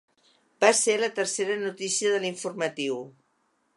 Va ser la tercera notícia de l’informatiu.